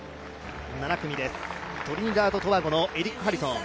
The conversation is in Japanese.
７組です、トリニダード・トバゴのエリック・ハリソン。